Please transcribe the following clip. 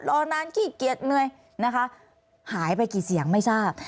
รอนานขี้เกียจเหนื่อยนะคะหายไปกี่เสียงไม่ทราบ